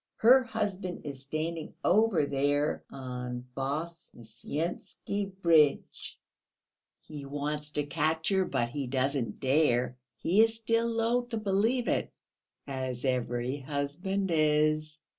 Her husband is standing over there on the Voznesensky Bridge; he wants to catch her, but he doesn't dare; he is still loath to believe it, as every husband is."